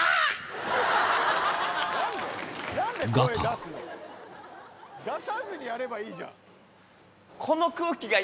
ガター出さずにやればいいじゃん。